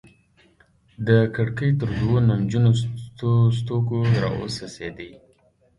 د کړکۍ تر دوو نمجنو ستوګو راوڅڅيدې